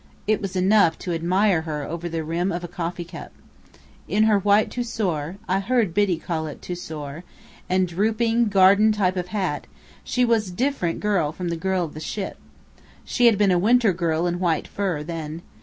It was enough to admire her over the rim of a coffee cup. In her white tussore (I heard Biddy call it tussore) and drooping, garden type of hat, she was a different girl from the girl of the ship. She had been a winter girl in white fur, then.